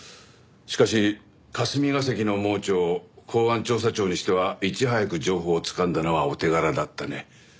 しかし霞が関の盲腸公安調査庁にしてはいち早く情報をつかんだのはお手柄だったね。